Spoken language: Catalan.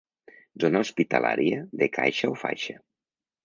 Zona hospitalària de caixa o faixa.